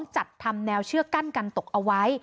จัดทำแนวเชือกกั้นกันตกเอาไว้